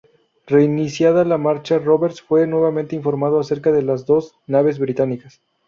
Reiniciada la marcha, Roberts fue nuevamente informado acerca de las dos naves británicas.